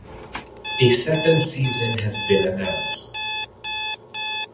A second season has been announced.